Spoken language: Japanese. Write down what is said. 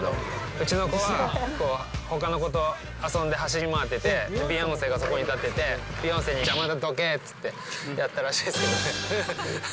うちの子は、ほかの子と遊んで、走り回ってて、ビヨンセがそこに立ってて、ビヨンセに邪魔だ、どけって言って、やったらしいですけどね。